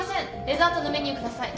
デザートのメニュー下さい。